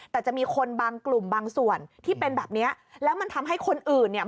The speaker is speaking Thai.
แต่จะมีคนบางกลุ่มบางส่วนที่เป็นแบบเนี้ยแล้วมันทำให้คนอื่นเนี่ย